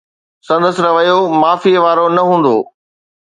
سندس رويو معافي وارو نه هوندو.